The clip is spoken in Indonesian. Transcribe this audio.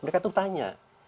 mereka itu bertanya